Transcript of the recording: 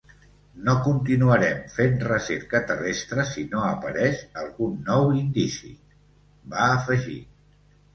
No continuarem fent recerca terrestre si no apareix algun nou indici, va afegir.